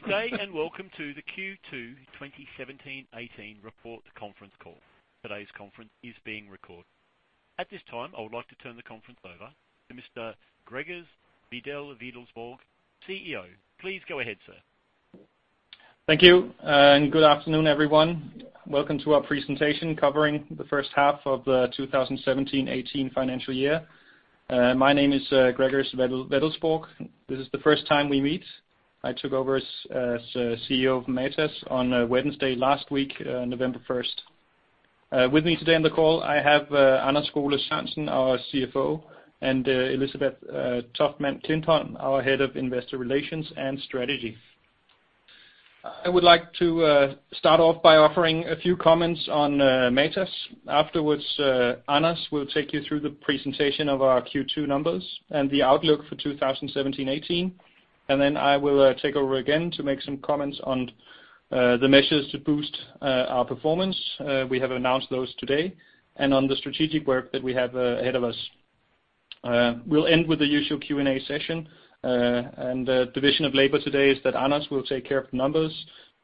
Good day, welcome to the Q2 2017/18 report conference call. Today's conference is being recorded. At this time, I would like to turn the conference over to Mr. Gregers Wedell-Wedellsborg, CEO. Please go ahead, sir. Thank you, good afternoon, everyone. Welcome to our presentation covering the first half of the 2017/18 financial year. My name is Gregers Wedell-Wedellsborg. This is the first time we meet. I took over as CEO of Matas on Wednesday last week, November 1st. With me today on the call, I have Anders Skole-Sørensen, our CFO, and Elisabeth Toftmann Klintholm, our head of investor relations and strategy. I would like to start off by offering a few comments on Matas. Afterwards, Anders will take you through the presentation of our Q2 numbers and the outlook for 2017/18. Then I will take over again to make some comments on the measures to boost our performance, we have announced those today, and on the strategic work that we have ahead of us. We will end with the usual Q&A session. The division of labor today is that Anders will take care of the numbers,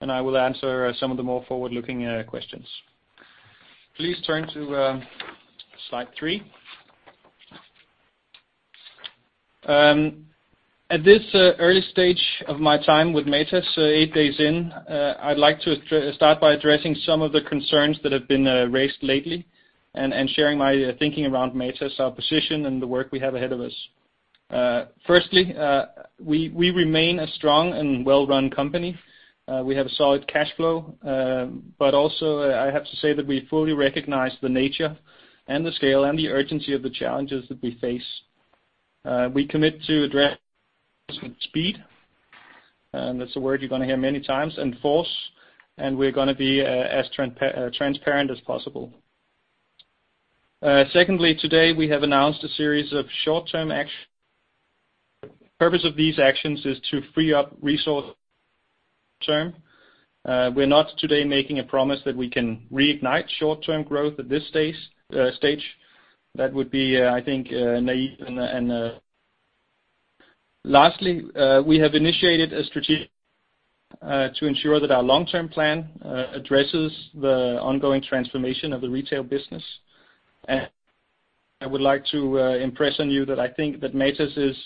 and I will answer some of the more forward-looking questions. Please turn to slide three. At this early stage of my time with Matas, eight days in, I would like to start by addressing some of the concerns that have been raised lately and sharing my thinking around Matas, our position, and the work we have ahead of us. Firstly, we remain a strong and well-run company. We have a solid cash flow. Also, I have to say that we fully recognize the nature and the scale and the urgency of the challenges that we face. We commit to addressing speed, and that is a word you are going to hear many times, and force, we are going to be as transparent as possible. Secondly, today, we have announced a series of short-term actions. The purpose of these actions is to free up resources long-term. We are not today making a promise that we can reignite short-term growth at this stage. That would be, I think, naive. Lastly, we have initiated a strategic to ensure that our long-term plan addresses the ongoing transformation of the retail business. I would like to impress on you that I think that Matas is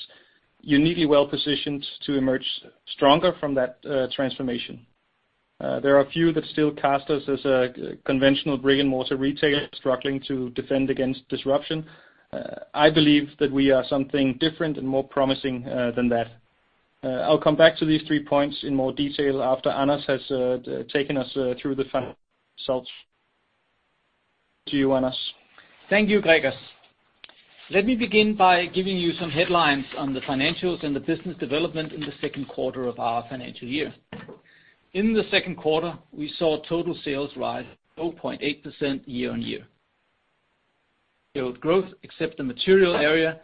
uniquely well-positioned to emerge stronger from that transformation. There are a few that still cast us as a conventional brick-and-mortar retailer struggling to defend against disruption. I believe that we are something different and more promising than that. I will come back to these three points in more detail after Anders has taken us through the financial results. To you, Anders. Thank you, Gregers. Let me begin by giving you some headlines on the financials and the business development in the second quarter of our financial year. In the second quarter, we saw total sales rise 0.8% year-on-year. Sales growth except the material area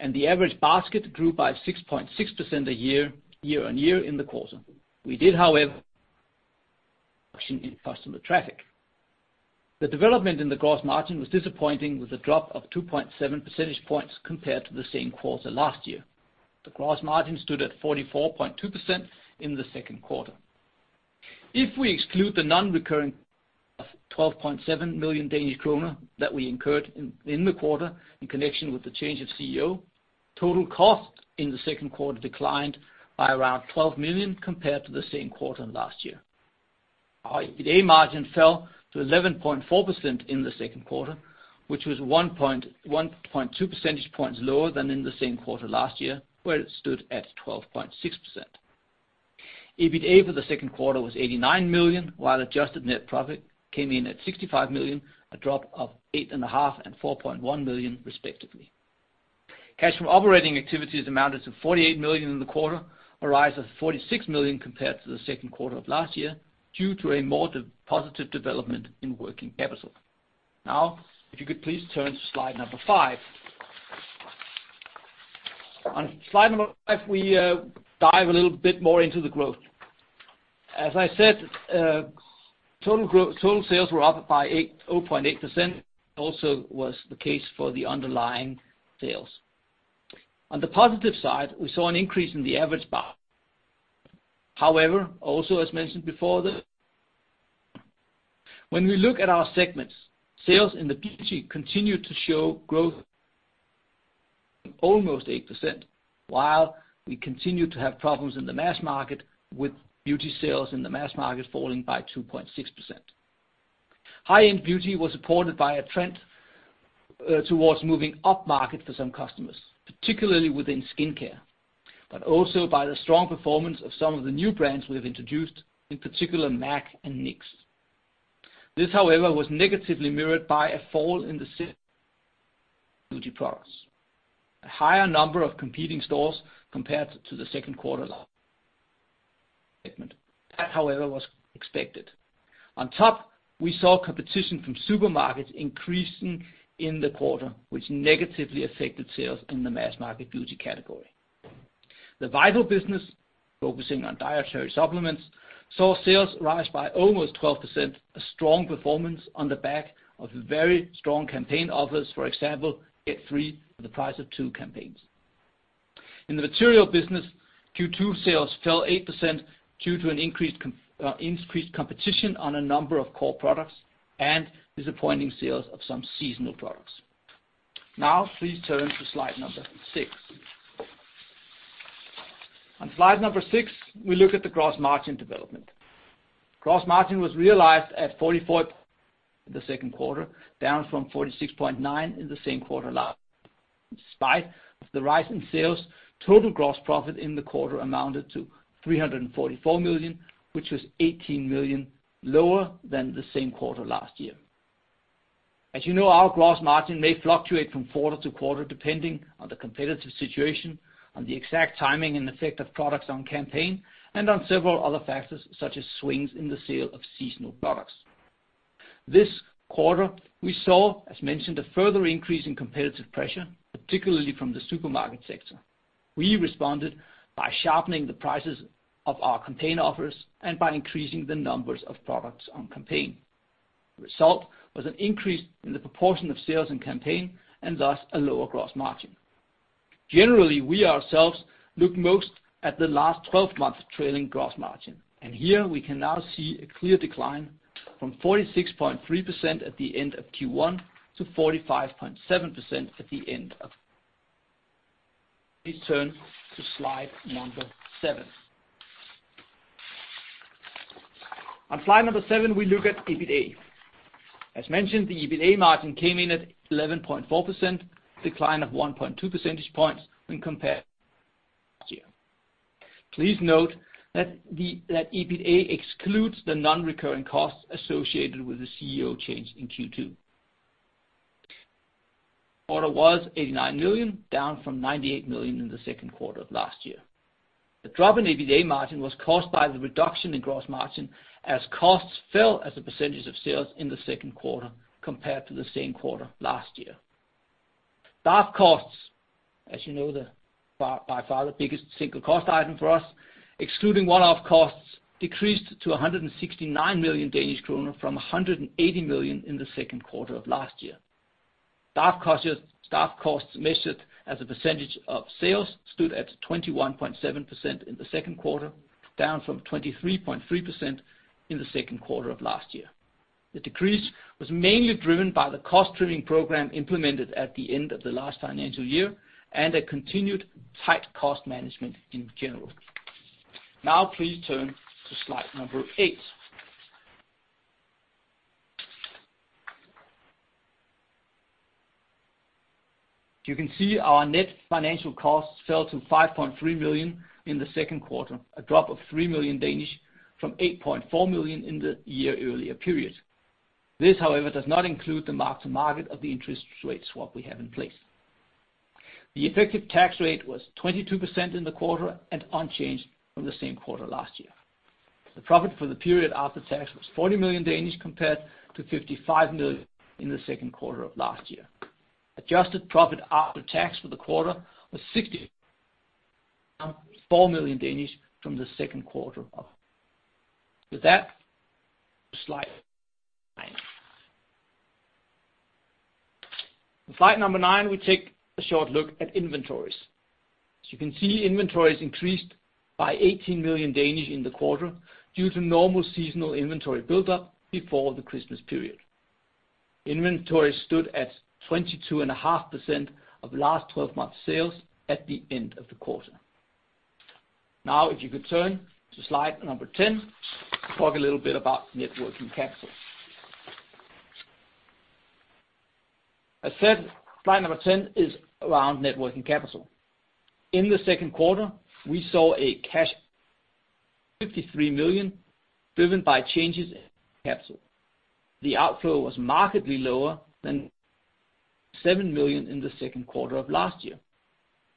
and the average basket grew by 6.6% year-on-year in the quarter. We did, however, see a reduction in customer traffic. The development in the gross margin was disappointing with a drop of 2.7 percentage points compared to the same quarter last year. The gross margin stood at 44.2% in the second quarter. If we exclude the non-recurring 12.7 million Danish kroner that we incurred in the quarter in connection with the change of CEO, total cost in the second quarter declined by around 12 million compared to the same quarter last year. Our EBITA margin fell to 11.4% in the second quarter, which was 1.2 percentage points lower than in the same quarter last year, where it stood at 12.6%. EBITA for the second quarter was 89 million, while adjusted net profit came in at 65 million, a drop of 8.5 million and 4.1 million, respectively. Cash from operating activities amounted to 48 million in the quarter, a rise of 46 million compared to the second quarter of last year due to a more positive development in working capital. If you could please turn to slide number five. On slide number five, we dive a little bit more into the growth. As I said, total sales were up by 0.8%, also was the case for the underlying sales. On the positive side, we saw an increase in the average basket. However, also as mentioned before, when we look at our segments, sales in the beauty continued to show growth of almost 8%, while we continued to have problems in the mass market with beauty sales in the mass market falling by 2.6%. High-end beauty was supported by a trend towards moving upmarket for some customers, particularly within skincare, but also by the strong performance of some of the new brands we have introduced, in particular MAC and NYX. This, however, was negatively mirrored by a fall in the sales of mass beauty products. A higher number of competing stores compared to the second quarter last year. That, however, was expected. On top, we saw competition from supermarkets increasing in the quarter, which negatively affected sales in the mass-market beauty category. The vital business, focusing on dietary supplements, saw sales rise by almost 12%, a strong performance on the back of very strong campaign offers, for example, get three for the price of two campaigns. In the material business, Q2 sales fell 8% due to an increased competition on a number of core products and disappointing sales of some seasonal products. Please turn to slide number six. On slide number six, we look at the gross margin development. Gross margin was realized at 44% in the second quarter, down from 46.9% in the same quarter last year. Despite the rise in sales, total gross profit in the quarter amounted to 344 million, which was 18 million lower than the same quarter last year. As you know, our gross margin may fluctuate from quarter to quarter, depending on the competitive situation, on the exact timing and effect of products on campaign, and on several other factors, such as swings in the sale of seasonal products. This quarter, we saw, as mentioned, a further increase in competitive pressure, particularly from the supermarket sector. We responded by sharpening the prices of our campaign offers and by increasing the numbers of products on campaign. The result was an increase in the proportion of sales and campaign, and thus, a lower gross margin. Generally, we ourselves look most at the last 12 months trailing gross margin, and here we can now see a clear decline from 46.3% at the end of Q1 to 45.7% at the end of. Please turn to slide number seven. On slide number seven, we look at EBITDA. As mentioned, the EBITDA margin came in at 11.4%, a decline of 1.2 percentage points when compared to last year. Please note that EBITDA excludes the non-recurring costs associated with the CEO change in Q2. EBITDA was 89 million, down from 98 million in the second quarter of last year. The drop in EBITDA margin was caused by the reduction in gross margin as costs fell as a percentage of sales in the second quarter compared to the same quarter last year. Staff costs, as you know, by far the biggest single cost item for us, excluding one-off costs, decreased to 169 million Danish kroner from 180 million in the second quarter of last year. Staff costs measured as a percentage of sales stood at 21.7% in the second quarter, down from 23.3% in the second quarter of last year. The decrease was mainly driven by the cost-trimming program implemented at the end of the last financial year and a continued tight cost management in general. Please turn to slide number eight. You can see our net financial costs fell to 5.3 million in the second quarter, a drop of 3 million from 8.4 million in the year earlier period. This, however, does not include the mark to market of the interest rate swap we have in place. The effective tax rate was 22% in the quarter and unchanged from the same quarter last year. The profit for the period after tax was 40 million compared to 55 million in the second quarter of last year. Adjusted profit after tax for the quarter was 64 million from the second quarter of. With that, slide nine. On slide number nine, we take a short look at inventories. As you can see, inventories increased by 18 million in the quarter due to normal seasonal inventory buildup before the Christmas period. Inventories stood at 22.5% of last 12 months sales at the end of the quarter. Now, if you could turn to slide number 10, talk a little bit about net working capital. As said, slide number 10 is around net working capital. In the second quarter, we saw a cash 53 million driven by changes in capital. The outflow was markedly lower than 7 million in the second quarter of last year.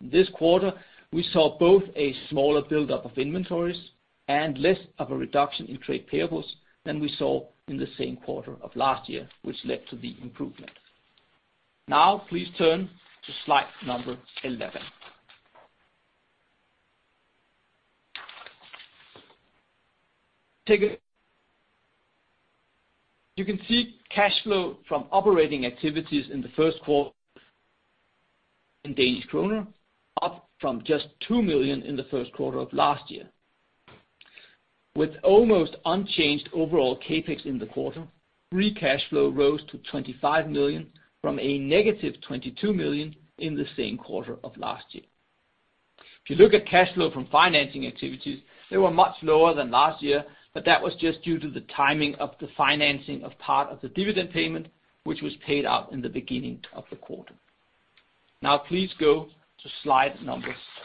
This quarter, we saw both a smaller buildup of inventories and less of a reduction in trade payables than we saw in the same quarter of last year, which led to the improvement. Now please turn to slide number 11. You can see cash flow from operating activities in the first quarter in DKK, up from just 2 million in the first quarter of last year. With almost unchanged overall CapEx in the quarter, free cash flow rose to 25 million from a negative 22 million in the same quarter of last year. If you look at cash flow from financing activities, they were much lower than last year. That was just due to the timing of the financing of part of the dividend payment, which was paid out in the beginning of the quarter. Now please go to slide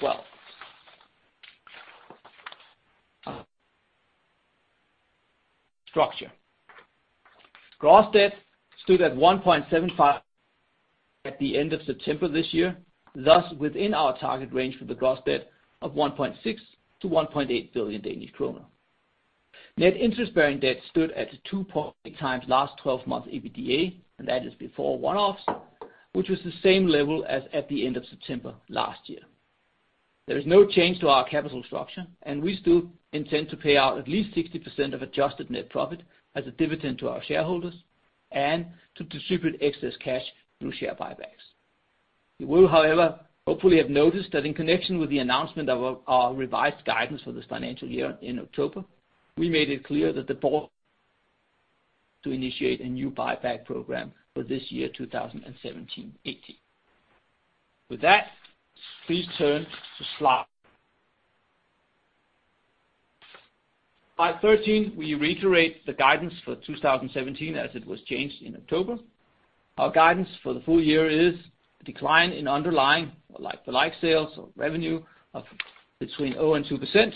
12. Structure. Gross debt stood at 1.75 billion at the end of September this year, thus within our target range for the gross debt of 1.6 billion-1.8 billion Danish kroner. Net interest-bearing debt stood at 2.8 times last 12 months EBITDA. That is before one-offs, which was the same level as at the end of September last year. There is no change to our capital structure. We still intend to pay out at least 60% of adjusted net profit as a dividend to our shareholders. To distribute excess cash through share buybacks. You will, however, hopefully have noticed that in connection with the announcement of our revised guidance for this financial year in October, we made it clear that the board to initiate a new buyback program for this year, 2017-18. With that, please turn to slide. Slide 13, we reiterate the guidance for 2017 as it was changed in October. Our guidance for the full year is a decline in underlying like-for-like sales or revenue of between 0%-2%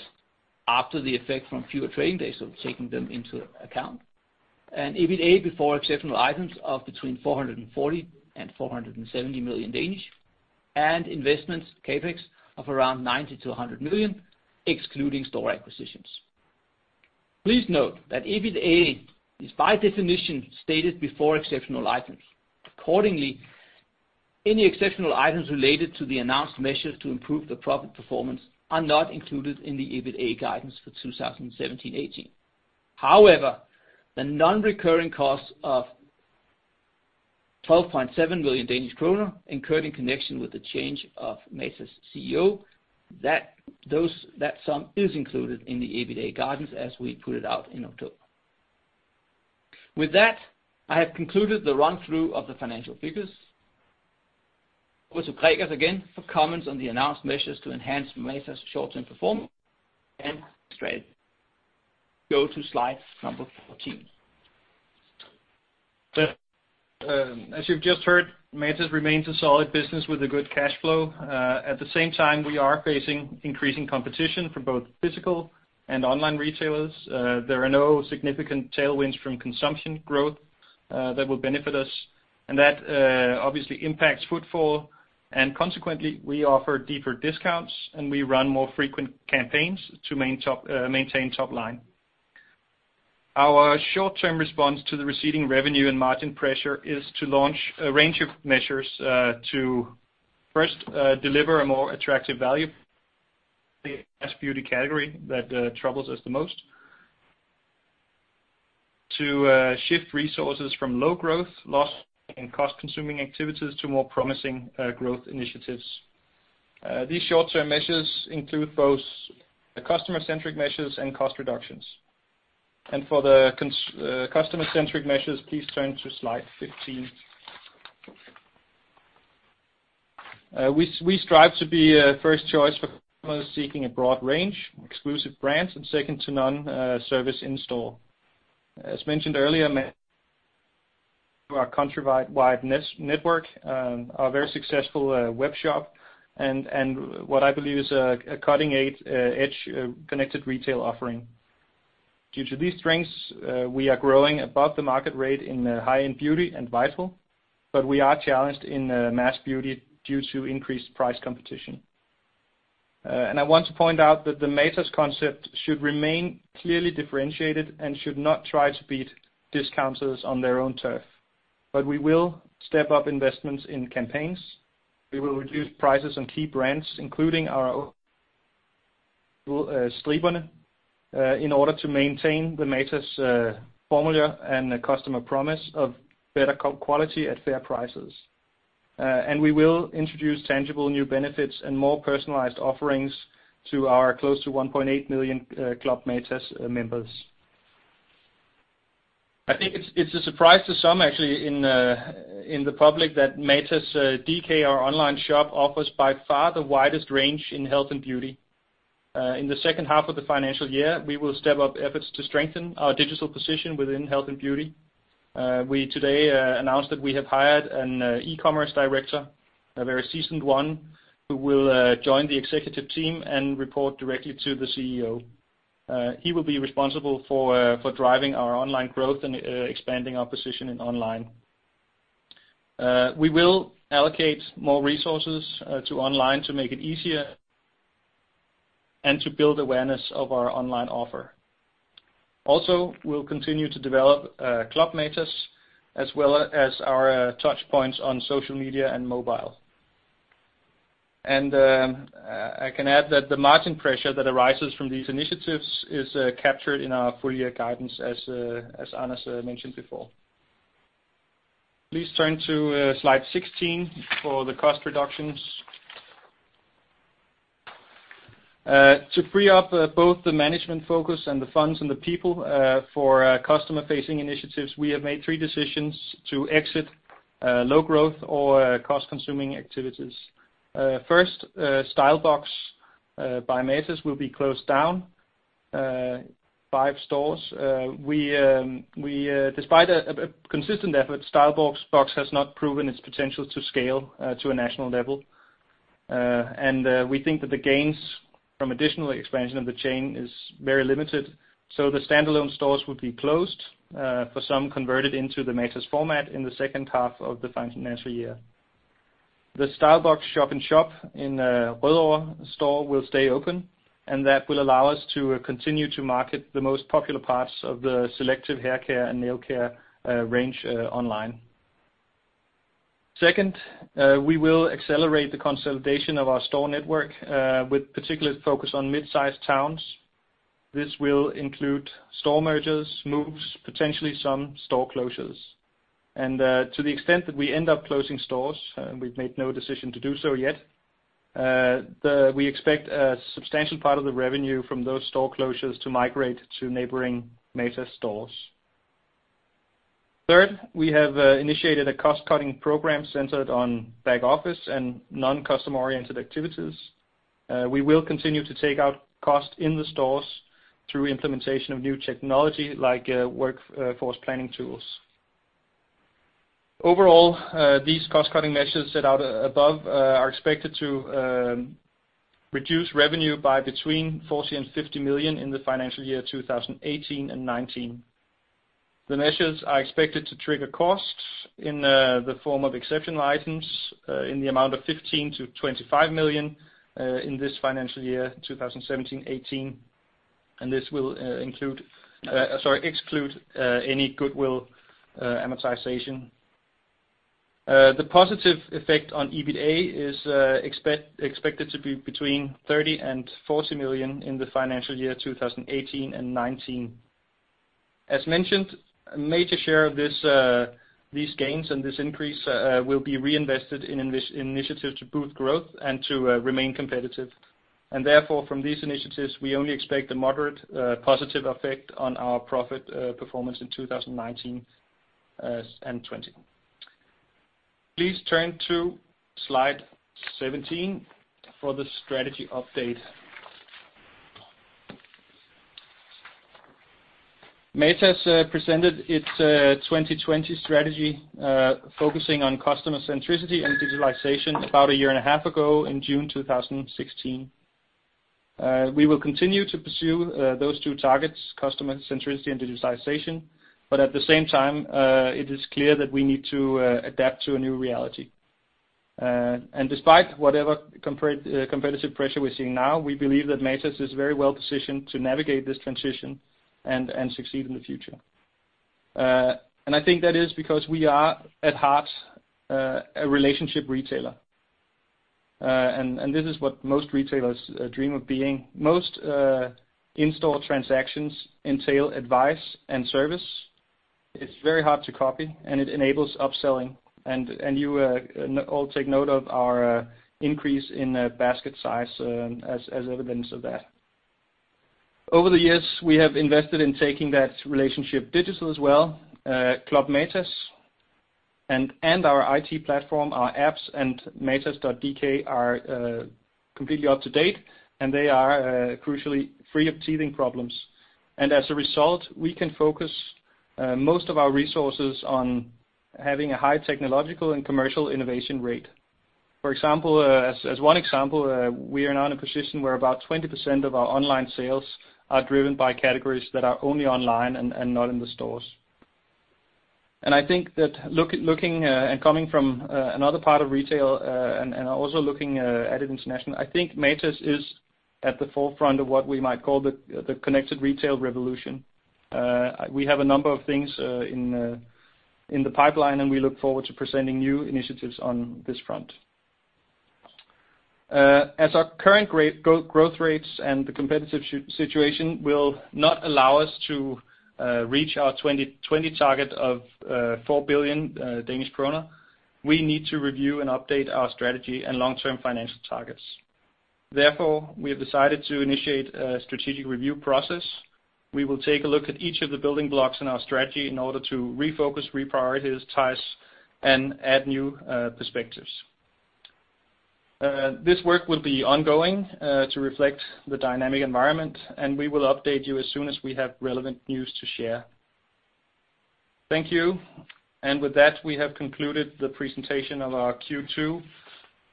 after the effect from fewer trading days of taking them into account. EBITA before exceptional items of between 440 million-470 million. Investments CapEx of around 90 million-100 million, excluding store acquisitions. Please note that EBITA is by definition stated before exceptional items. Accordingly, any exceptional items related to the announced measures to improve the profit performance are not included in the EBITA guidance for 2017-18. However, the non-recurring costs of 12.7 million Danish kroner incurred in connection with the change of Matas' CEO, that sum is included in the EBITA guidance as we put it out in October. With that, I have concluded the run-through of the financial figures. Over to Gregers again for comments on the announced measures to enhance Matas' short-term performance. Straight go to slide 14. As you've just heard, Matas remains a solid business with a good cash flow. At the same time, we are facing increasing competition from both physical and online retailers. There are no significant tailwinds from consumption growth that will benefit us, and that obviously impacts footfall, consequently, we offer deeper discounts, we run more frequent campaigns to maintain top line. Our short-term response to the receding revenue and margin pressure is to launch a range of measures to first, deliver a more attractive value, the mass beauty category that troubles us the most, to shift resources from low growth loss and cost-consuming activities to more promising growth initiatives. These short-term measures include both the customer-centric measures and cost reductions. For the customer-centric measures, please turn to slide 15. We strive to be a first choice for customers seeking a broad range, exclusive brands, and second to none service in store. As mentioned earlier, Matas, our countrywide network, our very successful web shop, and what I believe is a cutting-edge connected retail offering. Due to these strengths, we are growing above the market rate in high-end beauty and vital, but we are challenged in mass beauty due to increased price competition. I want to point out that the Matas concept should remain clearly differentiated and should not try to beat discounters on their own turf. We will step up investments in campaigns. We will reduce prices on key brands, including our own Striberne, in order to maintain the Matas formula and the customer promise of better quality at fair prices. We will introduce tangible new benefits and more personalized offerings to our close to 1.8 million Club Matas members. I think it's a surprise to some, actually, in the public that Matas.dk, our online shop, offers by far the widest range in health and beauty. In the second half of the financial year, we will step up efforts to strengthen our digital position within health and beauty. We today announced that we have hired an e-commerce director, a very seasoned one, who will join the executive team and report directly to the CEO. He will be responsible for driving our online growth and expanding our position in online. We will allocate more resources to online to make it easier and to build awareness of our online offer. Also, we'll continue to develop Club Matas as well as our touchpoints on social media and mobile. I can add that the margin pressure that arises from these initiatives is captured in our full year guidance as Anders mentioned before. Please turn to slide 16 for the cost reductions. To free up both the management focus and the funds and the people for customer-facing initiatives, we have made three decisions to exit low growth or cost-consuming activities. First, StyleBox by Matas will be closed down, five stores. Despite a consistent effort, StyleBox has not proven its potential to scale to a national level. We think that the gains from additional expansion of the chain is very limited, so the standalone stores will be closed for some converted into the Matas format in the second half of the financial year. The StyleBox shop in shop in Rødovre store will stay open, and that will allow us to continue to market the most popular parts of the selective haircare and nail care range online. Second, we will accelerate the consolidation of our store network with particular focus on mid-sized towns. This will include store mergers, moves, potentially some store closures. To the extent that we end up closing stores, and we've made no decision to do so yet, we expect a substantial part of the revenue from those store closures to migrate to neighboring Matas stores. Third, we have initiated a cost-cutting program centered on back office and non-customer-oriented activities. We will continue to take out cost in the stores through implementation of new technology, like workforce planning tools. Overall, these cost-cutting measures set out above are expected to reduce revenue by between 40 million and 50 million in the financial year 2018 and 2019. The measures are expected to trigger costs in the form of exceptional items in the amount of 15 million to 25 million in this financial year, 2017-2018. This will include, sorry, exclude any goodwill amortization. The positive effect on EBITA is expected to be between 30 million and 40 million in the financial year 2018 and 2019. As mentioned, a major share of these gains and this increase will be reinvested in initiatives to boost growth and to remain competitive. Therefore, from these initiatives, we only expect a moderate positive effect on our profit performance in 2019 and 2020. Please turn to slide 17 for the strategy update. Matas presented its 2020 strategy, focusing on customer centricity and digitalization about a year and a half ago in June 2016. We will continue to pursue those two targets, customer centricity and digitalization. At the same time, it is clear that we need to adapt to a new reality. Despite whatever competitive pressure we're seeing now, we believe that Matas is very well-positioned to navigate this transition and succeed in the future. I think that is because we are at heart a relationship retailer. This is what most retailers dream of being. Most in-store transactions entail advice and service. It's very hard to copy. It enables upselling, and you all take note of our increase in basket size as evidence of that. Over the years, we have invested in taking that relationship digital as well. Club Matas and our IT platform, our apps and matas.dk are completely up to date, and they are crucially free of teething problems. As a result, we can focus most of our resources on having a high technological and commercial innovation rate. For example, as one example, we are now in a position where about 20% of our online sales are driven by categories that are only online and not in the stores. I think that looking and coming from another part of retail, and also looking at it international, I think Matas is at the forefront of what we might call the connected retail revolution. We have a number of things in the pipeline, and we look forward to presenting new initiatives on this front. As our current growth rates and the competitive situation will not allow us to reach our 2020 target of 4 billion Danish kroner, we need to review and update our strategy and long-term financial targets. Therefore, we have decided to initiate a strategic review process. We will take a look at each of the building blocks in our strategy in order to refocus, reprioritize, and add new perspectives. This work will be ongoing to reflect the dynamic environment, and we will update you as soon as we have relevant news to share. Thank you. With that, we have concluded the presentation of our Q2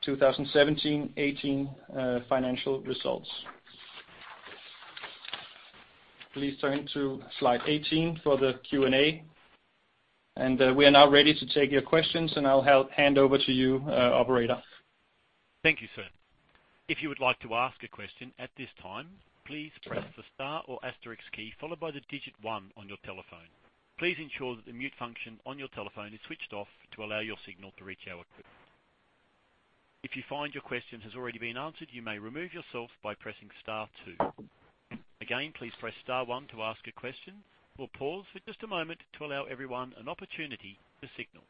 2017/18 financial results. Please turn to slide 18 for the Q&A. We are now ready to take your questions, and I'll hand over to you, operator. Thank you, sir. If you would like to ask a question at this time, please press the star or asterisk key followed by the digit 1 on your telephone. Please ensure that the mute function on your telephone is switched off to allow your signal to reach our equipment. If you find your question has already been answered, you may remove yourself by pressing star 2. Again, please press star 1 to ask a question. We'll pause for just a moment to allow everyone an opportunity to signal.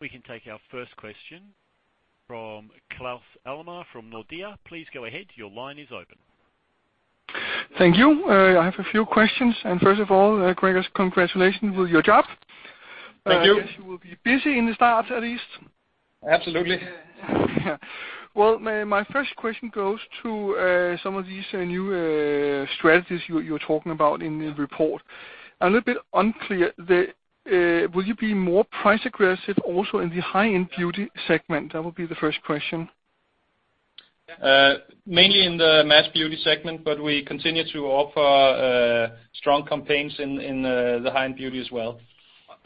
We can take our first question from Claus Almer from Nordea. Please go ahead. Your line is open. Thank you. I have a few questions. First of all, Gregers, congratulations with your job. Thank you. I guess you will be busy in the start, at least. Absolutely. Yeah. Well, my first question goes to some of these new strategies you're talking about in the report. I'm a little bit unclear, will you be more price aggressive also in the high-end beauty segment? That would be the first question. Mainly in the mass beauty segment, but we continue to offer strong campaigns in the high-end beauty as well.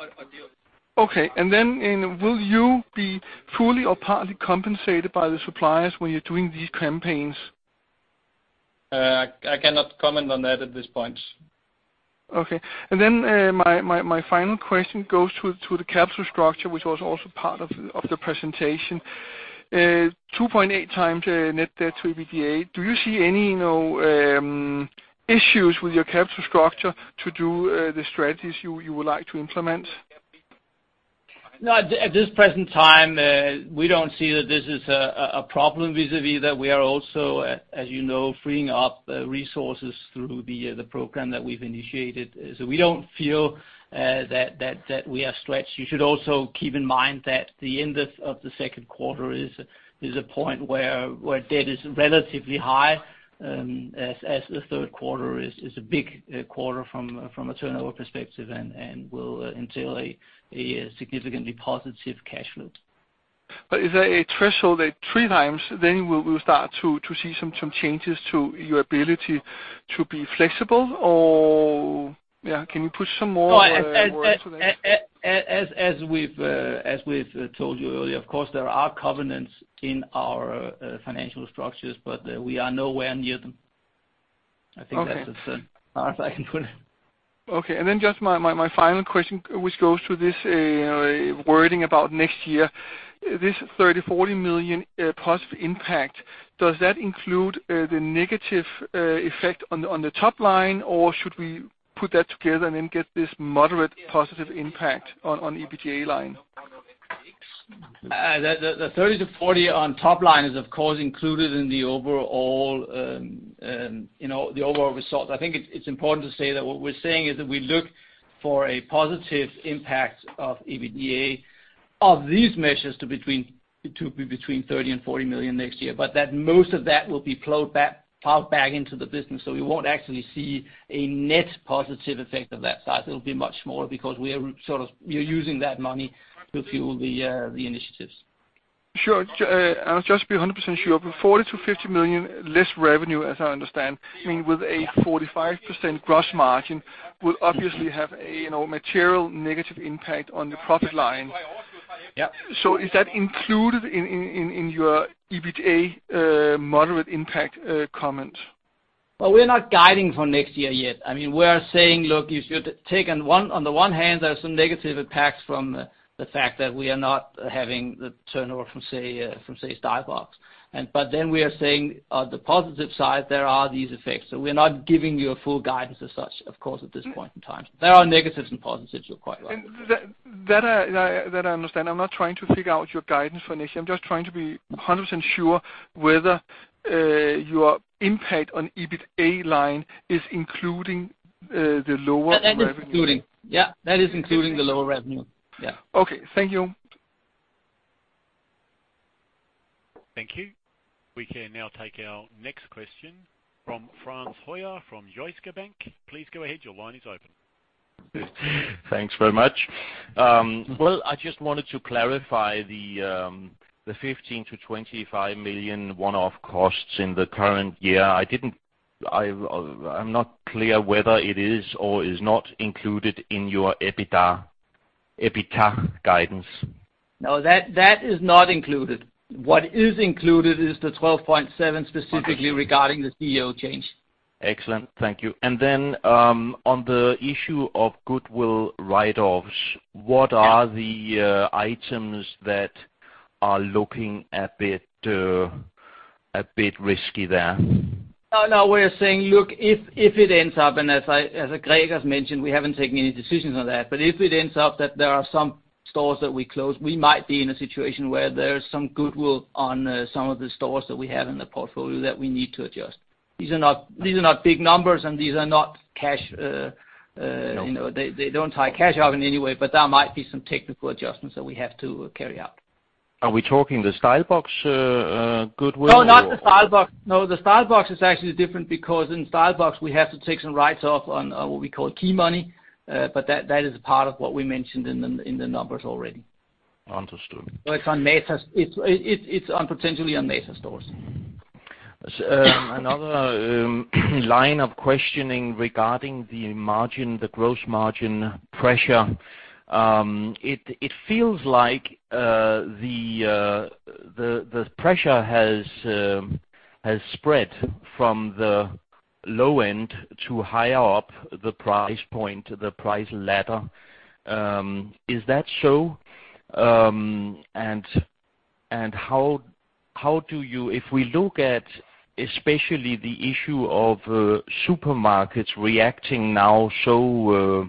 Okay, will you be fully or partly compensated by the suppliers when you're doing these campaigns? I cannot comment on that at this point. Okay. My final question goes to the capital structure, which was also part of the presentation. 2.8 times net debt to EBITDA. Do you see any issues with your capital structure to do the strategies you would like to implement? No, at this present time, we don't see that this is a problem vis-a-vis that we are also, as you know, freeing up resources through the program that we've initiated. We don't feel that we are stretched. You should also keep in mind that the end of the second quarter is a point where debt is relatively high, as the third quarter is a big quarter from a turnover perspective and will entail a significantly positive cash flow. Is there a threshold at 3 times, then we will start to see some changes to your ability to be flexible? Yeah, can you put some more into that? As we've told you earlier, of course, there are covenants in our financial structures, but we are nowhere near them. I think that's as far as I can put it. Okay. Just my final question, which goes to this wording about next year. This 30 million-40 million positive impact, does that include the negative effect on the top line, or should we put that together and get this moderate positive impact on the EBITDA line? The 30 million to 40 million on top line is of course included in the overall result. I think it's important to say that what we're saying is that we look for a positive impact of EBITDA of these measures to between 30 million and 40 million next year, but that most of that will be plowed back into the business. We won't actually see a net positive effect of that size. It'll be much more because we are using that money to fuel the initiatives. Sure. I'll just be 100% sure. 40 million to 50 million less revenue, as I understand, I mean, with a 45% gross margin, will obviously have a material negative impact on the profit line. Yeah. Is that included in your EBITDA moderate impact comment? Well, we're not guiding for next year yet. I mean, we are saying, look, if you're taking on the one hand, there are some negative impacts from the fact that we are not having the turnover from, say, StyleBox. We are saying on the positive side, there are these effects. We're not giving you a full guidance as such, of course, at this point in time. There are negatives and positives, you're quite right. That I understand. I'm not trying to figure out your guidance for next year. I'm just trying to be 100% sure whether your impact on the EBITDA line is including the lower revenue. That is including. Yeah, that is including the lower revenue. Yeah. Okay. Thank you. Thank you. We can now take our next question from Frans Høyer from Jyske Bank. Please go ahead. Your line is open. Well, I just wanted to clarify the 15 million-25 million one-off costs in the current year. I'm not clear whether it is or is not included in your EBITDA guidance. No, that is not included. What is included is the 12.7 specifically regarding the CEO change. Excellent. Thank you. On the issue of goodwill write-offs, what are the items that are looking a bit risky there? No. We're saying, look, if it ends up, as Greg has mentioned, we haven't taken any decisions on that, if it ends up that there are some stores that we close, we might be in a situation where there is some goodwill on some of the stores that we have in the portfolio that we need to adjust. These are not big numbers, and these are not cash- No they don't tie cash up in any way, there might be some technical adjustments that we have to carry out. Are we talking the StyleBox goodwill or? Not the StyleBox. The StyleBox is actually different because in StyleBox, we have to take some writes off on what we call key money. That is part of what we mentioned in the numbers already. Understood. It's potentially on Matas stores. Another line of questioning regarding the margin, the gross margin pressure. It feels like the pressure has spread from the low end to higher up the price point, the price ladder. Is that so? How do you, if we look at especially the issue of supermarkets reacting now so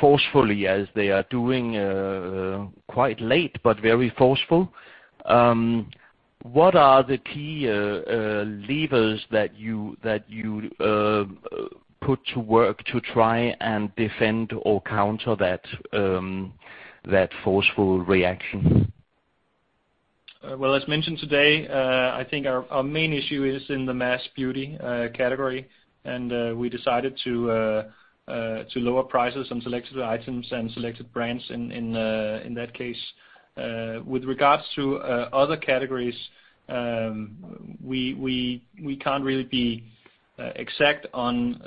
forcefully as they are doing quite late, but very forceful, what are the key levers that you put to work to try and defend or counter that forceful reaction? As mentioned today, I think our main issue is in the mass beauty category, and we decided to lower prices on selected items and selected brands in that case. With regards to other categories, we can't really be exact on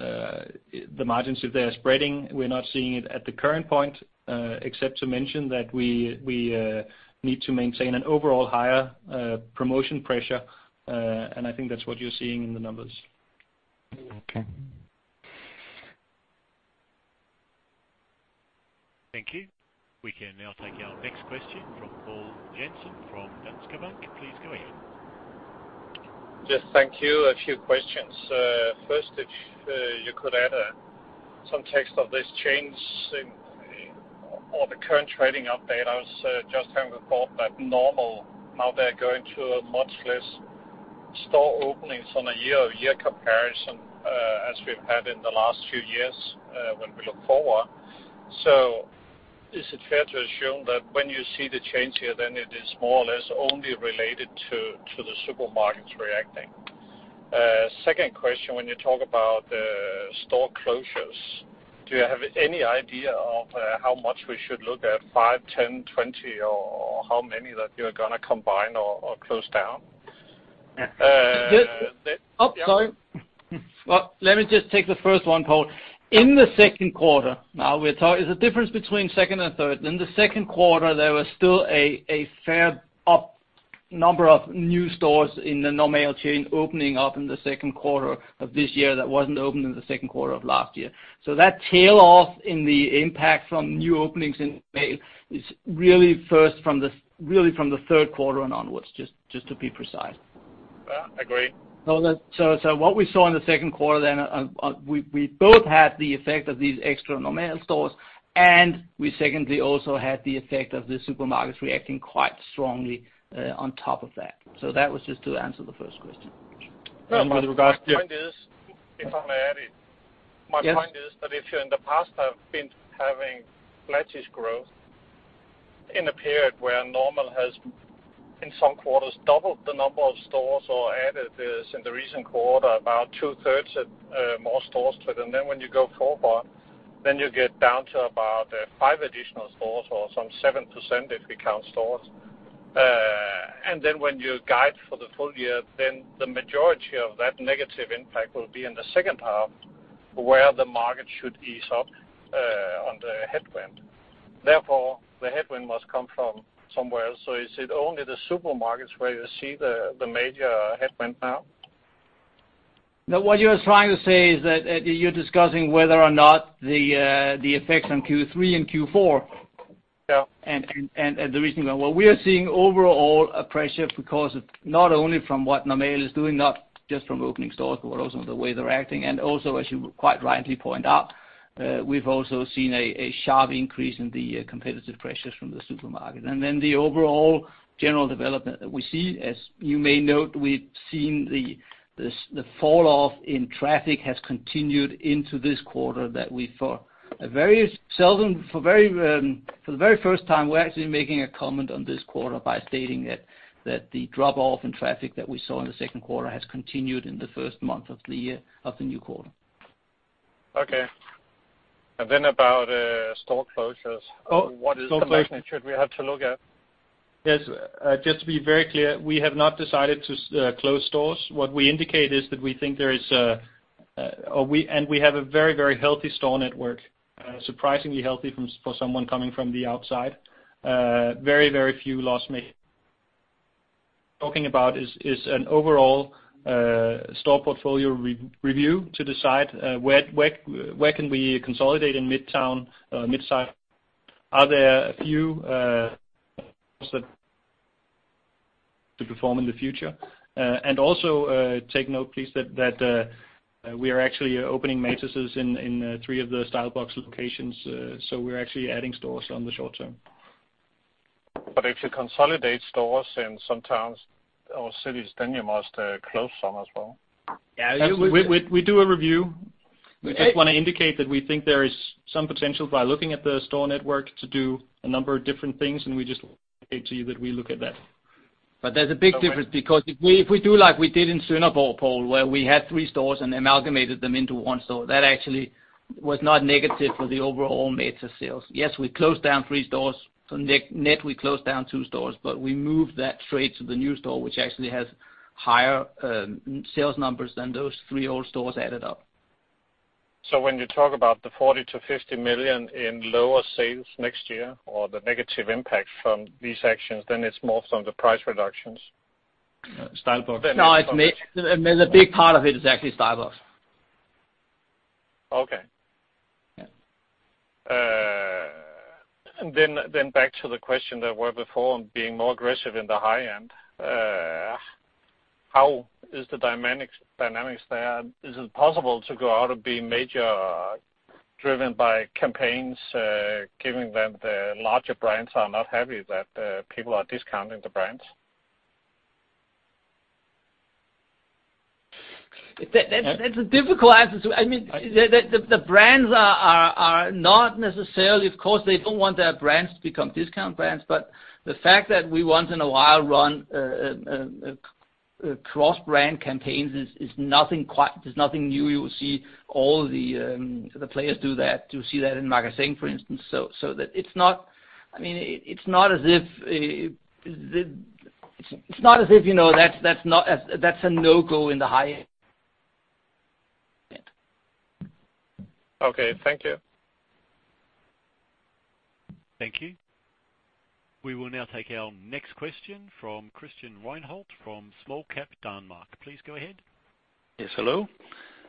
the margins. If they are spreading, we're not seeing it at the current point, except to mention that we need to maintain an overall higher promotion pressure, and I think that's what you're seeing in the numbers. Okay. Thank you. We can now take our next question from Poul Jensen from Danske Bank. Please go ahead. Yes, thank you. A few questions. First, if you could add some text of this change in all the current trading update. I was just having a thought that Normal, now they're going to much less store openings on a year-over-year comparison, as we've had in the last few years, when we look forward. Is it fair to assume that when you see the change here, it is more or less only related to the supermarkets reacting? Second question, when you talk about store closures, do you have any idea of how much we should look at, five, 10, 20, or how many that you're going to combine or close down? Oh, sorry. Well, let me just take the first one, Poul. In the second quarter, now, there's a difference between second and third. In the second quarter, there was still a fair number of new stores in the Normal chain opening up in the second quarter of this year that wasn't open in the second quarter of last year. That tail off in the impact from new openings in Normal is really first from the third quarter and onwards, just to be precise. Yeah, agreed. What we saw in the second quarter, we both had the effect of these extra Normal stores, and we secondly also had the effect of the supermarkets reacting quite strongly on top of that. That was just to answer the first question. My point is, if I may add it. Yes. My point is that if you in the past have been having like-for-like growth in a period where Normal has, in some quarters, doubled the number of stores or added this in the recent quarter, about two-thirds of more stores to it, when you go forward, you get down to about five additional stores or some 7% if we count stores. When you guide for the full year, the majority of that negative impact will be in the second half, where the market should ease up on the headwind. Therefore, the headwind must come from somewhere else. Is it only the supermarkets where you see the major headwind now? No, what you're trying to say is that you're discussing whether or not the effects on Q3 and Q4. Yeah The reason why. We are seeing overall a pressure because of not only from what Normal is doing, not just from opening stores, but also the way they're acting. Also, as you quite rightly point out, we've also seen a sharp increase in the competitive pressures from the supermarket. Then the overall general development that we see, as you may note, we've seen the fall-off in traffic has continued into this quarter that we for the very first time, we're actually making a comment on this quarter by stating that the drop-off in traffic that we saw in the second quarter has continued in the first month of the new quarter. Okay. Then about store closures. Oh, store closures. What is the magnitude we have to look at? Just to be very clear, we have not decided to close stores. What we indicate is that we think there is and we have a very healthy store network. Surprisingly healthy for someone coming from the outside. Very few loss-making stores. What we're talking about is an overall store portfolio review to decide where can we consolidate in mid-size cities. Are there a few stores that underperform and might not perform in the future? Also, take note, please, that we are actually opening Matas in three of the StyleBox locations. We're actually adding stores on the short term. If you consolidate stores in some towns or cities, then you must close some as well. Yeah. We do a review. We just want to indicate that we think there is some potential by looking at the store network to do a number of different things, we just indicate to you that we look at that. There's a big difference because if we do like we did in Sønderborg, Poul, where we had three stores and amalgamated them into one store, that actually was not negative for the overall Matas sales. Yes, we closed down three stores. Net, we closed down two stores, but we moved that straight to the new store, which actually has higher sales numbers than those three old stores added up. When you talk about the 40 million-50 million in lower sales next year, or the negative impact from these actions, it's more from the price reductions? StyleBox. No, a big part of it is actually StyleBox. Okay. Yeah. Back to the question that were before on being more aggressive in the high end. How is the dynamics there? Is it possible to go out and be major driven by campaigns, given that the larger brands are not happy that people are discounting the brands? The brands are not necessarily, of course, they don't want their brands to become discount brands. The fact that we once in a while run a cross-brand campaigns is nothing new. You will see all the players do that. You see that in Magasin, for instance. It's not as if that's a no-go in the high end market. Okay. Thank you. Thank you. We will now take our next question from Christian Reinholdt from SmallCap Danmark. Please go ahead. Hello.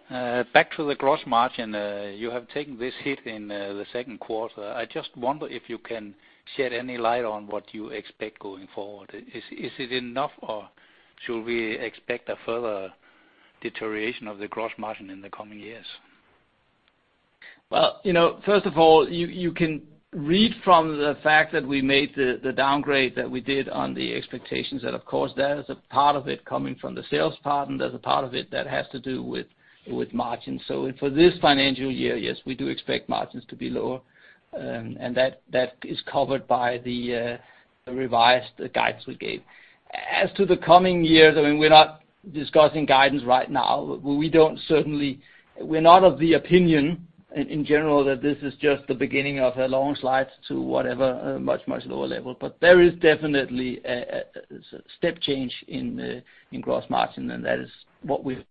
Back to the gross margin. You have taken this hit in the second quarter. I just wonder if you can shed any light on what you expect going forward. Is it enough, or should we expect a further deterioration of the gross margin in the coming years? Well, first of all, you can read from the fact that we made the downgrade that we did on the expectations, that of course, there is a part of it coming from the sales part, and there's a part of it that has to do with margins. For this financial year, yes, we do expect margins to be lower, and that is covered by the revised guides we gave. As to the coming year, we're not discussing guidance right now. We're not of the opinion, in general, that this is just the beginning of a long slide to whatever, a much, much lower level. There is definitely a step change in gross margin, and that is what we've-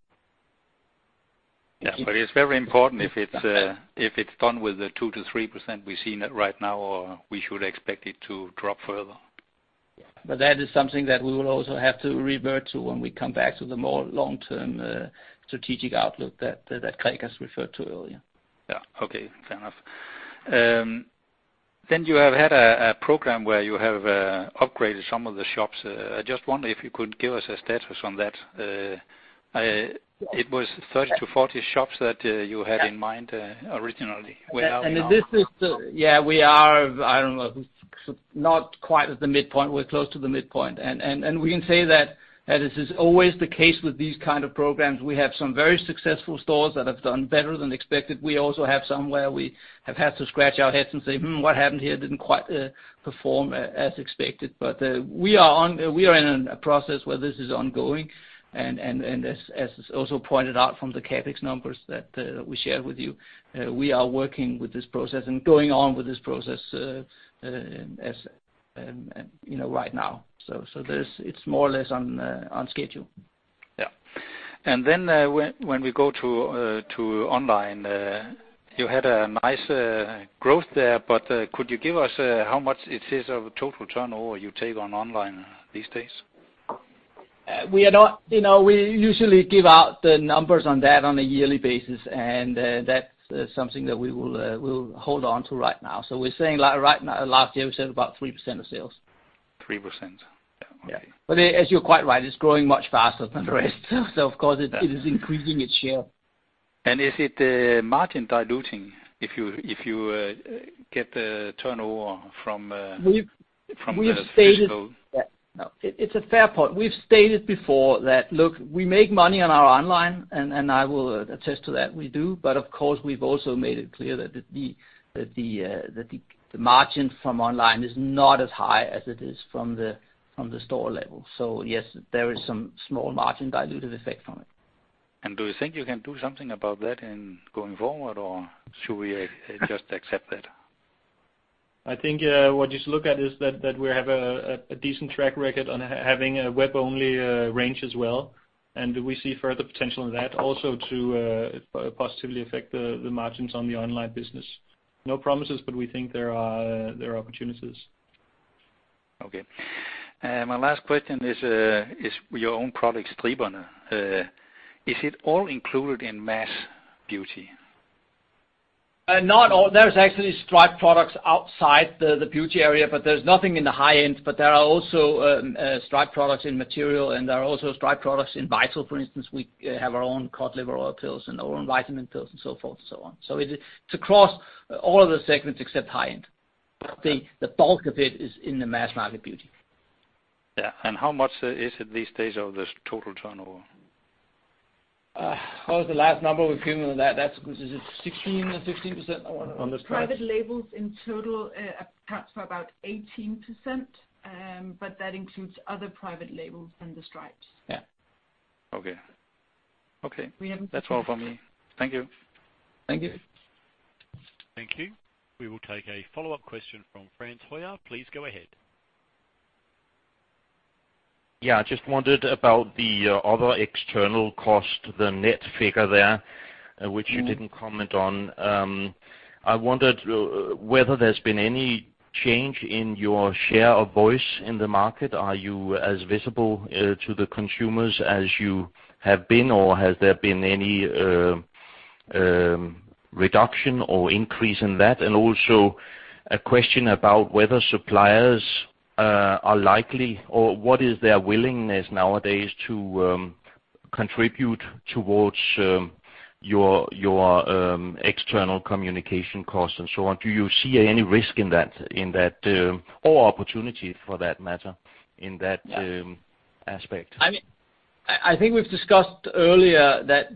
Yeah, it's very important if it's done with the 2%-3% we're seeing it right now, or we should expect it to drop further. Yeah. That is something that we will also have to revert to when we come back to the more long-term strategic outlook that Gregers referred to earlier. Yeah. Okay, fair enough. You have had a program where you have upgraded some of the shops. I just wonder if you could give us a status on that. It was 30-40 shops that you had in mind originally. Where are we now? We are, I don't know, not quite at the midpoint. We're close to the midpoint. We can say that as is always the case with these kind of programs, we have some very successful stores that have done better than expected. We also have some where we have had to scratch our heads and say, "Hmm, what happened here? Didn't quite perform as expected." We are in a process where this is ongoing. As is also pointed out from the CapEx numbers that we shared with you, we are working with this process and going on with this process right now. It's more or less on schedule. When we go to online, you had a nice growth there. Could you give us how much it is of total turnover you take on online these days? We usually give out the numbers on that on a yearly basis. That's something that we'll hold on to right now. We're saying right now, last year we said about 3% of sales. 3%. Okay. Yeah. As you're quite right, it's growing much faster than the rest. Of course it is increasing its share. Is it margin diluting if you get the turnover from the physical? It's a fair point. We've stated before that, look, we make money on our online and I will attest to that, we do. Of course, we've also made it clear that the margin from online is not as high as it is from the store level. Yes, there is some small margin diluted effect from it. Do you think you can do something about that in going forward, or should we just accept that? I think what you should look at is that we have a decent track record on having a web-only range as well, and we see further potential in that also to positively affect the margins on the online business. No promises, but we think there are opportunities. Okay. My last question is your own product, Striber. Is it all included in mass beauty? Not all. There's actually Striber products outside the beauty area, but there's nothing in the high end. There are also Striber products in material, and there are also Striber products in Vital for instance, we have our own cod liver oil pills and our own vitamin pills and so forth and so on. It's across all of the segments except high end. The bulk of it is in the mass market beauty. Yeah. How much is it these days of the total turnover? What was the last number we came up with that? Is it 16% or 17% on the Stripes? Private labels in total accounts for about 18%. That includes other private labels than the Stripes. Yeah. Okay. We haven't- That's all for me. Thank you. Thank you. Thank you. We will take a follow-up question from Frans Høyer. Please go ahead. Yeah, I just wondered about the other external cost, the net figure there, which you didn't comment on. I wondered whether there's been any change in your share of voice in the market. Are you as visible to the consumers as you have been, or has there been any reduction or increase in that? Also a question about whether suppliers are likely, or what is their willingness nowadays to contribute towards your external communication costs and so on. Do you see any risk in that, or opportunity for that matter, in that aspect? I think we've discussed earlier that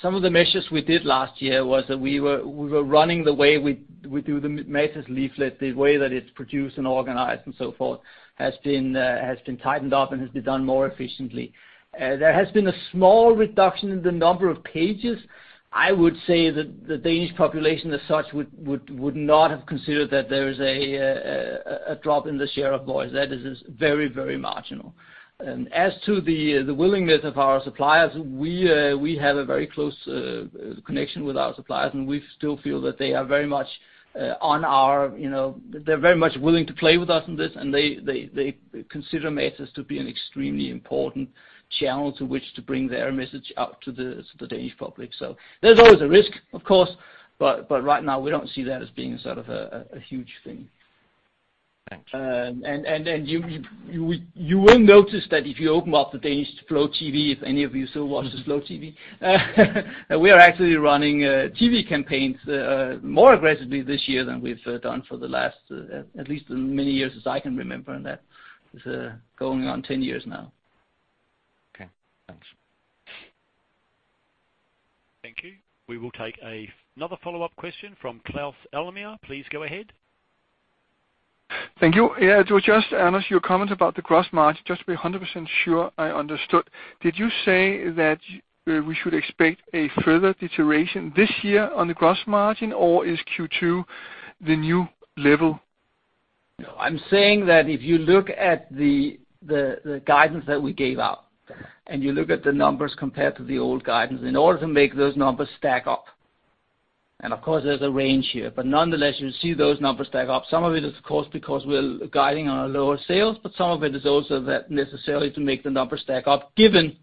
some of the measures we did last year was that we were running the way we do the Matas leaflet, the way that it's produced and organized and so forth, has been tightened up and has been done more efficiently. There has been a small reduction in the number of pages. I would say that the Danish population as such would not have considered that there is a drop in the share of voice. That is very, very marginal. As to the willingness of our suppliers, we have a very close connection with our suppliers, and we still feel that they are very much willing to play with us in this, and they consider Matas to be an extremely important channel to which to bring their message out to the Danish public. There's always a risk, of course, but right now we don't see that as being a huge thing. Thanks. You will notice that if you open up the Danish flow TV, if any of you still watch the flow TV, we are actually running TV campaigns more aggressively this year than we've done for the last at least many years as I can remember. That is going on 10 years now. Okay, thanks. Thank you. We will take another follow-up question from Claus Almer. Please go ahead. Thank you. Yeah, it was just, Anders, your comment about the gross margin, just to be 100% sure I understood. Did you say that we should expect a further deterioration this year on the gross margin, or is Q2 the new level? No, I'm saying that if you look at the guidance that we gave out, and you look at the numbers compared to the old guidance, in order to make those numbers stack up, and of course, there's a range here, but nonetheless, you see those numbers stack up. Some of it is, of course, because we're guiding on our lower sales, but some of it is also that necessary to make the numbers stack up given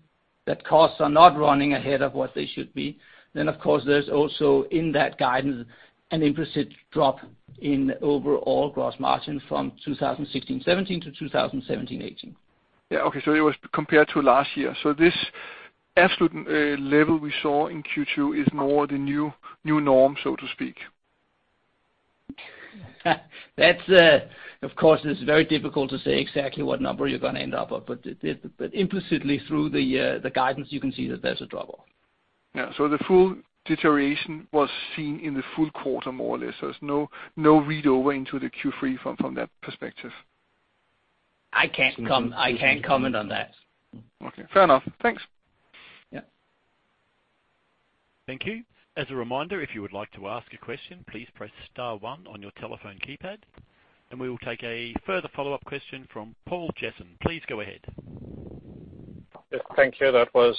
that costs are not running ahead of what they should be. Of course, there's also in that guidance, an implicit drop in overall gross margin from 2016-17 to 2017-18. Yeah. Okay, it was compared to last year. This absolute level we saw in Q2 is more the new norm, so to speak. That, of course, is very difficult to say exactly what number you're going to end up with, but implicitly through the guidance, you can see that there's a drop-off. Yeah. The full deterioration was seen in the full quarter, more or less. There's no read over into the Q3 from that perspective? I can't comment on that. Okay. Fair enough. Thanks. Yeah. Thank you. As a reminder, if you would like to ask a question, please press star one on your telephone keypad. We will take a further follow-up question from Poul Jensen. Please go ahead. Yes. Thank you. That was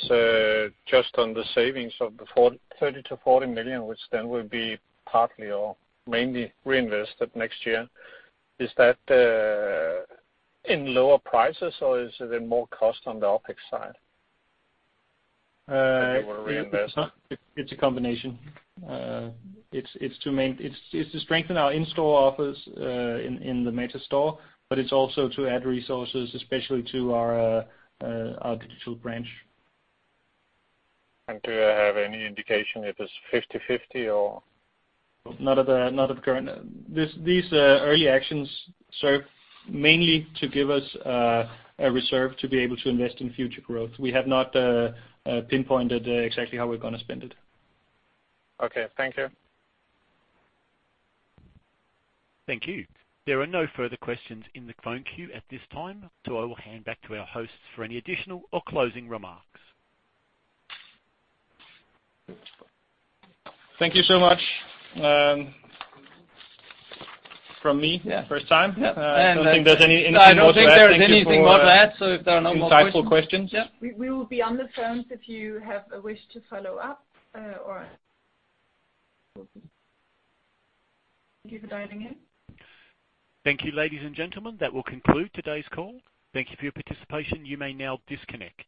just on the savings of the 30 million to 40 million, which then will be partly or mainly reinvested next year. Is that in lower prices, or is it in more cost on the OpEx side if you want to reinvest? It's a combination. It's to strengthen our in-store offers in the Matas store, it's also to add resources, especially to our digital branch. Do I have any indication if it's 50/50 or? Not at the current. These early actions serve mainly to give us a reserve to be able to invest in future growth. We have not pinpointed exactly how we're going to spend it. Okay. Thank you. Thank you. There are no further questions in the phone queue at this time. I will hand back to our hosts for any additional or closing remarks. Thank you so much. Yeah first time. Yeah. I don't think there's anything more to add. Thank you. I don't think there is anything more to add. If there are no more questions. Insightful questions. Yeah. We will be on the phones if you have a wish to follow up. Thank you for dialing in. Thank you, ladies and gentlemen. That will conclude today's call. Thank you for your participation. You may now disconnect.